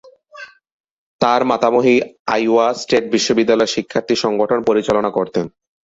তার মাতামহী Iowa state বিশ্ববিদ্যালয়ের শিক্ষার্থী সংগঠন পরিচালনা করতেন।